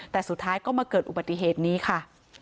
แต่สุดท้ายก็มาเกิดอุบัติเหตุนี้ค่ะ